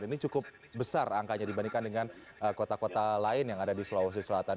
ini cukup besar angkanya dibandingkan dengan kota kota lain yang ada di sulawesi selatan